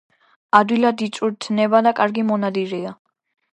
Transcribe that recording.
ადვილად იწვრთნება და კარგი მონადირეა.